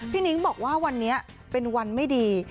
นิ้งบอกว่าวันนี้เป็นวันไม่ดี